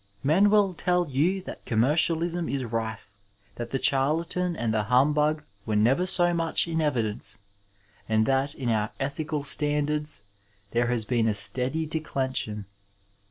Men will tell you that commercialism is rife, that the charlatan and the humbug were never so much in evidence, and that in our ethical standards there has been a steady declension.